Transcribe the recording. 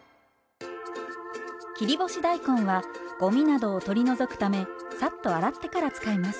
切り干し大根はごみなどを取り除くためサッと洗ってから使います。